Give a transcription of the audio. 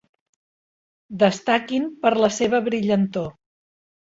Destaquin per la seva brillantor.